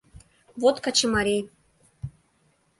— Вот качымарий!